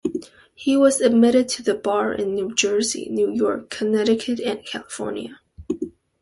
He was admitted to the bar in New Jersey, New York, Connecticut and California.